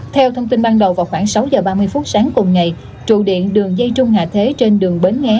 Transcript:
theo thông tin ban đầu vào khoảng sáu giờ ba mươi phút sáng cùng ngày trụ điện đường dây trung hạ thế trên đường bến nghé